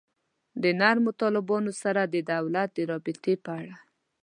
د نرمو طالبانو سره د دولت د رابطې په اړه.